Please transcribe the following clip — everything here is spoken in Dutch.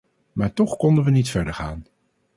Maar toch konden we niet verder gaan.